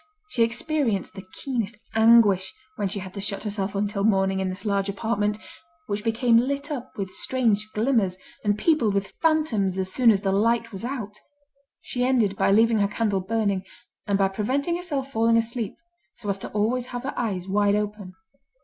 She experienced the keenest anguish, when she had to shut herself until morning in this large apartment, which became lit up with strange glimmers, and peopled with phantoms as soon as the light was out. She ended by leaving her candle burning, and by preventing herself falling asleep, so as to always have her eyes wide open.